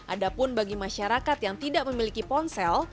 ada pun bagi masyarakat yang tidak memiliki ponsel